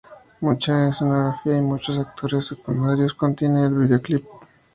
Mucha escenografía y muchos actores secundarios contiene el video clip.